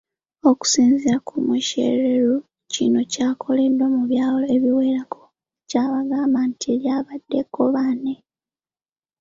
Okusinziira ku Mushereru kino kyakoleddwa mu byalo ebiwerako kyabagamba nti lyabadde kkobaane.